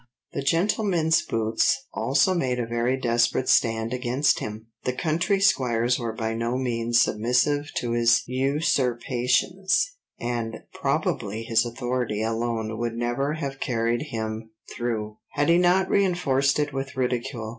"The gentlemen's boots also made a very desperate stand against him, the country squires were by no means submissive to his usurpations, and probably his authority alone would never have carried him through, had he not reinforced it with ridicule."